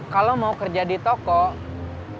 kalau mau kerja di toko kenapa nggak kerja di sana